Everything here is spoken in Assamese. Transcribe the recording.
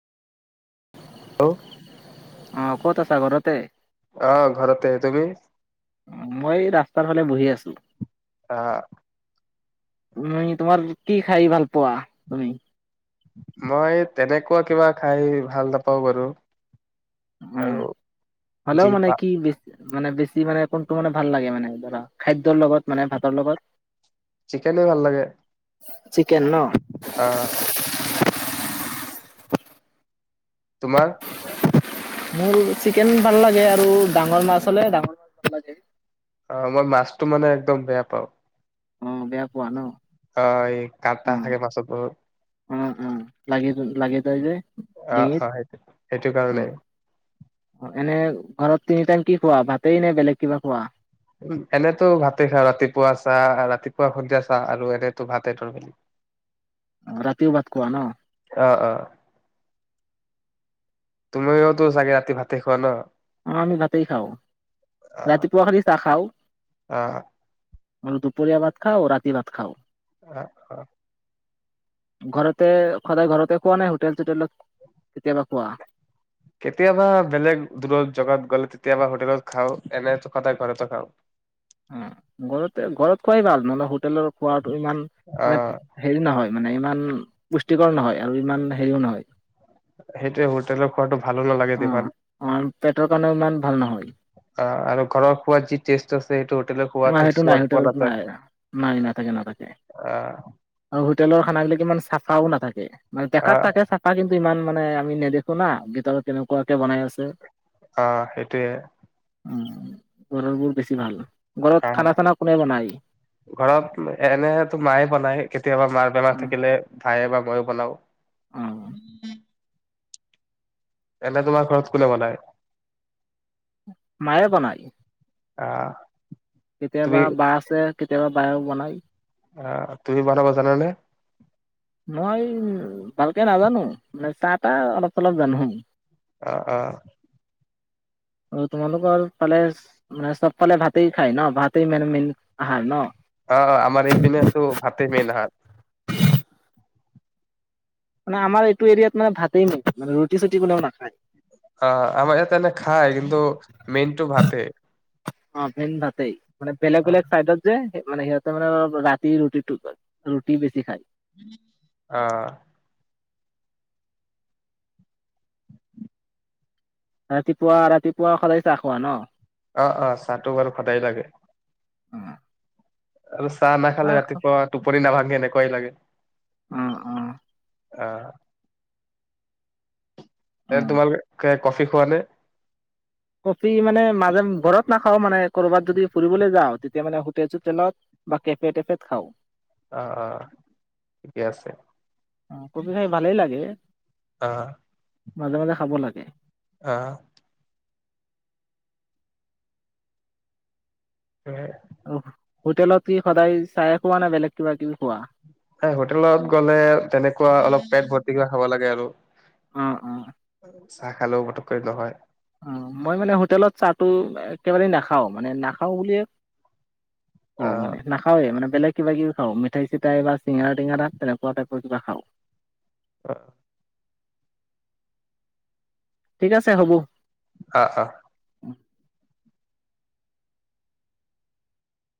হেল্ল' অ ক'ত আ অ ঘৰতে অ ঘৰততে আহ। তুমি? মই ৰাস্তাৰ ফালে বহি আছো। আহ তুমি তোমাৰ কি খাই ভাল পোৱা তুমি মই তেনেকুৱা কিবা খাই ভাল নাপাওঁ বাৰু উ আৰু যি হলেও মানে পা কি মানে বি মানে কোনটো মানে ভাল লাগে মানে ধৰা খাদ্যৰ লগত মানে ভাতৰ লগত। চিকেনে ভাল লাগে। চিকেন ন আহ তোমাৰ মোৰ চিকেন ভাল লাগে আৰু ডাঙৰ মাছ হলে ডাঙৰ মাছ ভাল লাগে অ মই মাছটো মানে একদম বেয়া পাওঁ অ বেয়া পোৱা ন অ' এই কাটা অ থাকে মাছত বহুত অ উম লাগি লাগি যায় যে অ ডিঙিত অ সেইটো সেইটো অ কাৰণেই এনে ঘৰত তিনি টাইম কি খোৱা ভাতেই নে বেলেগ কিবা খোৱা উ এনেতো ভাতে খা ৰাতিপুৱা চা ৰাতিপুৱা সন্ধিয়া চা আৰু এনেতো ভাতে তৰ মেলি অ ৰাতিও ভাত খোৱা ন অ অ তুমিওতো চাগে ৰাতি ভাতে খোৱা ন অ আমি ভাতেই খাওঁ অ' ৰাতিপুৱা খালি চাহ খাওঁ অ' মান দুপৰীয়া ভাত খাও ৰাতি ভাত খাও। অ অ ঘৰতে সদায় ঘৰতে খোৱা নাই হোটেল চোটেল কেতিয়াবা খোৱা। কেতিয়াবা বেলেগ দূৰৰ জেগাত গ'লে কেতিয়াবা হোটেলত খাও এনেো সদায় ঘৰতো খাও। অ ঘৰতে ঘৰত খোৱাই ভাল নহ'লে হোটেলৰ খোৱাটো ইমান মানে অ' হেৰি নহয় মানে ইমান পুষ্টিকৰ নহয় আৰু ইমান হেৰিও নহয় সেইটোৱে হোটেলৰ খোৱাটো ভালো নালাগে যিমান অ পেটৰ কাৰণেও ইমান ভাল নহয় আৰু ঘৰৰ খোৱাৰাত যি টেষ্ট আছে সেইটো হোটেলৰ খোৱাত নাই সেইটো নাই সোৱাদ পোৱা হোটেলত নাযায় নাই নাই নাথাকে নাথাকে আ আৰু হোটেলৰ খানাবিলাক ইমান চাফাও নাথাকে মানে আ ডেকাত তাকে চফা কিন্তু ইমান মানে আমি নেদেখো না ভিতৰত কেনেকুৱাকে বনাই আছে অ সেইটোৱে উ ঘৰৰবোৰ বেছি ভাল ঘৰত হ খানা চানা কোনে বনায় ঘৰত এনেো মায়ে বনাই কেতিয়াবা মাৰ অ বেমাৰ থাকিলে ভায়ে বা মইো বনাও অ'। উমম [inaudible] এনে তোমাৰ ঘৰত কোনে বনায় মায়ে বনায় আহ তুমি কেতিয়াবা বা আছে কেতিয়াবা বায়ে বনাই আহ তুমি বনাব জানা নে মই উ ভালকে নাজানো মানে চাহ তাহ অলপ চলপ জানো অ অ অ তোমালোকৰ ফালে মানে চবফালে ভাতেই খায় ন ভাতেই ম মেইন আহাৰ ন অ আমাৰ এইপিনেতো ভাতে মেইন হাত মানে আমাৰ এইটো এৰিয়াত মানে ভাতেই মেইন মানে ৰুটি চুটি কোনেও নাখায় অ আমাৰ ইয়তে এনে খায় কিন্তু মেইনটো ভাতে অ মেইন ভাতেই মানে বেলেগ অ বেলেগ চাইডত যে মানে সিহঁতে মানে ৰাতি ৰুটি ৰুটি বেছি খায় আহ ৰাতিপুৱা ৰাতিপুৱা সদায় চাহ খোৱা ন অ অ চাহটো বাৰু সদায় লাগে অ আৰু চাহ নাখালে ৰাতিপুৱা টোপৰি নাভাগে এনেকুৱাই লাগে অ অ অ অ তোমালোকে খোৱা কফি খোৱা নে কফি মানে মাজে ঘৰত নাখ খাও মানে কৰ'ৰবাত যদি ফুৰিবলৈ যাওঁ তেতিয়া মানে হোটেল চোটেলত বা কেফে টেফেত খাও অ অ ঠিকে আছে অ কপ খাই ভালেই লাগে অ মাজে মাজে খাব লাগে আহ হয় আৰু হোটেলত কি সদায় চাই খোৱা নে বেলেগ কিবা কিবি খোৱা এ হোটেলত গ'লে তেনেকুৱা অলপ পেট ভৰ্তি কৰি খাব লাগে আৰু অ অ চাহ খালেও পটককৈ নহয় অ মই মানে হোটেলত চাহটো একেবাৰে নাখাওঁ মানে নাখাওঁ বুলিয়ে অ মানে নাখাওে মানে বেলেগ কিবা কিবি খাওঁ মিঠাই চিঠাই বা চিঙৰা টেঙৰাাত তেনেকুৱা টাইপৰ কিবা খাওঁ অ ঠিক আছে হ'ব অ অ